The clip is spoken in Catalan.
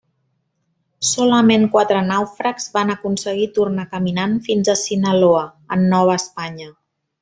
Solament quatre nàufrags van aconseguir tornar caminant fins a Sinaloa, en Nova Espanya.